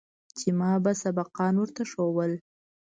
چې ما به سبقان ورته ښوول.